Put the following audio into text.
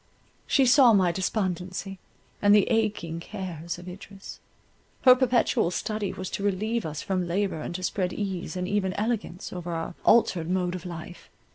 She saw my despondency, and the aching cares of Idris. Her perpetual study was to relieve us from labour and to spread ease and even elegance over our altered mode of life.